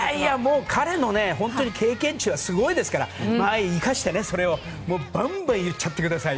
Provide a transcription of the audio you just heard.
彼の本当に経験値はすごいですからそれを生かしてバンバン言っちゃってください。